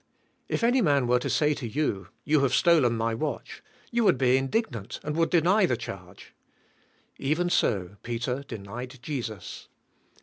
If any man were to say to you, "You have stolen my watch," you would be indignant and would deny the charge. Kven so Peter denied Jesus.